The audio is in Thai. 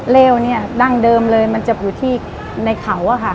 เลวเนี่ยดั้งเดิมเลยมันจะอยู่ที่ในเขาอะค่ะ